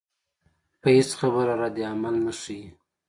پۀ هېڅ خبره ردعمل نۀ ښائي